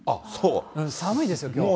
寒いですよ、きょう。